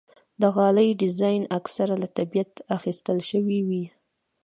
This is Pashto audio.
د غالۍ ډیزاین اکثره له طبیعت اخیستل شوی وي.